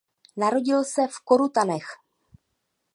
Narodil se v Korutanech.